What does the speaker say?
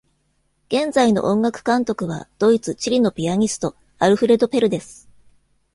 現在の音楽監督はドイツ・チリのピアニスト、アルフレド・ペルです。